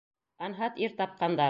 Анһат ир тапҡандар!..